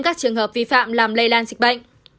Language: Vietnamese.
các trường hợp vi phạm làm lây lan dịch bệnh